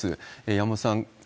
山本さん。